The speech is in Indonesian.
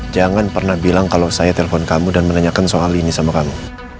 jangan pernah bilang kalau saya telepon kamu dan menanyakan soal ini sama kamu